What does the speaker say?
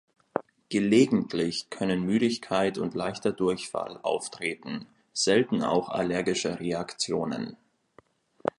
Gelegentlich können Müdigkeit und leichter Durchfall auftreten, selten auch allergische Reaktionen.